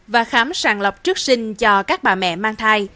và khám sàng lọc trước sinh cho các bà mẹ mang thai